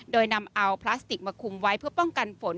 โดยนำเอาพลาสติกมาคุมไว้เพื่อป้องกันฝน